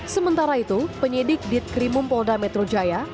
sementara itu penyidik ditkrimumpolda metro jalan